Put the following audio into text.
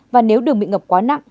và nếu đường bị ngập quá nặng